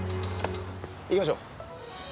行きましょう。